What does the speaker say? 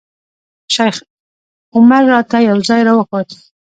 شیخ عمر راته یو ځای راوښود.